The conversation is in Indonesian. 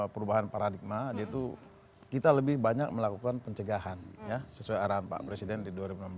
perubahan paradigma yaitu kita lebih banyak melakukan pencegahan sesuai arahan pak presiden di dua ribu enam belas